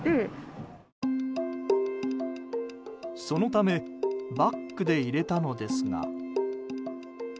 そのためバックで入れたのですが。